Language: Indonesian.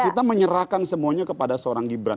kita menyerahkan semuanya kepada seorang gibran